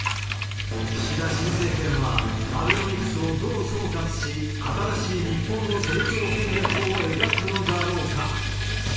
岸田新政権は、アベノミクスをどう総括し、新しい日本の成長戦略を描くのだろうか。